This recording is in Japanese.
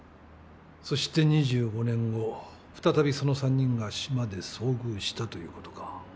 そして２５年後再びその３人が志摩で遭遇したということか。